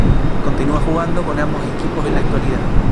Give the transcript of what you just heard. Continúa jugando con ambos equipos en la actualidad.